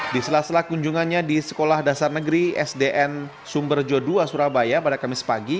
di sela sela kunjungannya di sekolah dasar negeri sdn sumber jo dua surabaya pada kamis pagi